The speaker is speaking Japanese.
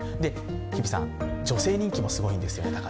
日比さん、女性人気がすごいんですよね。